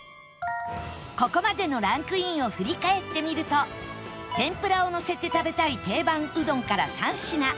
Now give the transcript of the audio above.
ここまでのランクインを振り返ってみると天ぷらをのせて食べたい定番うどんから３品